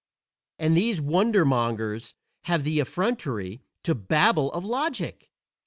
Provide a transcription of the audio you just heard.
And these wonder mongers have the effrontery to babble of "logic"!